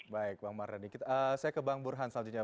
baik bang mardhani saya ke bang burhan selanjutnya